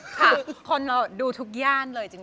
คือคนเราดูทุกย่านเลยจริง